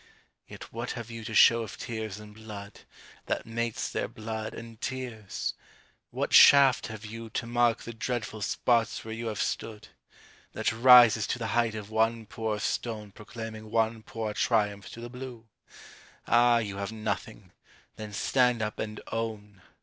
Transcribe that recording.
Yet what have you to show of tears and blood, That mates their blood and tears? What shaft have you, To mark the dreadful spots where you have stood, That rises to the height of one poor stone Proclaiming one poor triumph to the blue ? Ah, you have nothing! Then stand up and own!